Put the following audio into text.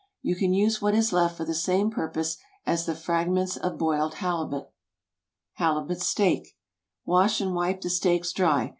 You can use what is left for the same purpose as the fragments of boiled halibut. HALIBUT STEAK. ✠ Wash and wipe the steaks dry.